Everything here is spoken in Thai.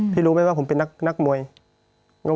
พี่เรื่องมันยังไงอะไรยังไง